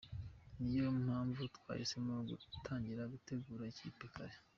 Niyo mpamvu twahisemo gutangira gutegura ikipe kare.